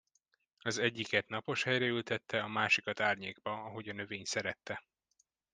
Az egyiket napos helyre ültette, a másikat árnyékba, ahogy a növény szerette.